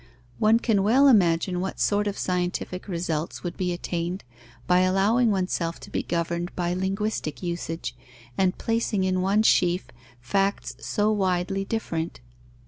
One can well imagine what sort of scientific results would be attained by allowing oneself to be governed by linguistic usage and placing in one sheaf facts so widely different.